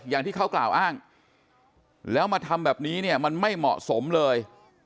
อย่างที่เขากล่าวอ้างแล้วมาทำแบบนี้เนี่ยมันไม่เหมาะสมเลย